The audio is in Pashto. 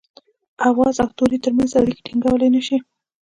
د آواز او توري ترمنځ اړيکي ټيڼګولای نه شي